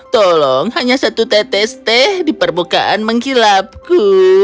tolong hanya satu tetes teh di permukaan mengkilapku